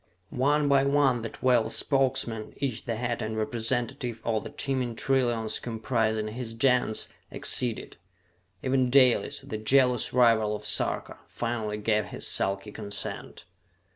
One by one the twelve Spokesmen, each the head and representative of the teeming trillions comprising his Gens, acceded. Even Dalis, the jealous rival of Sarka, finally gave his sulky consent.